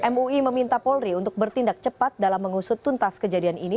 mui meminta polri untuk bertindak cepat dalam mengusut tuntas kejadian ini